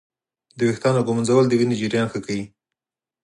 د ویښتانو ږمنځول د وینې جریان ښه کوي.